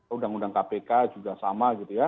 undang undang kpk juga sama